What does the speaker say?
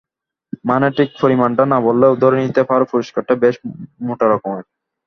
মানে ঠিক পরিমাণটা না বললেও ধরে নিতে পারো পুরস্কারটা বেশ মোটা রকমেরই।